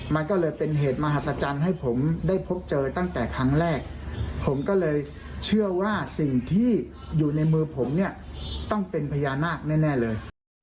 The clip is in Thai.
มันก็เลยเป็นเหตุมหัศจรรย์ให้ผมได้พบเจอตั้งแต่ครั้งแรกผมก็เลยเชื่อว่าสิ่งที่อยู่ในมือผมเนี่ยต้องเป็นพญานาคแน่เลย